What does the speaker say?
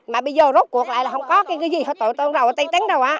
mà bây giờ rút cuộc lại là không có cái gì tội tôm rầu ở tây tấn đâu ạ